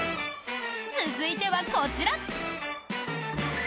続いては、こちら。